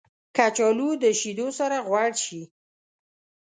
کچالو د شیدو سره غوړ شي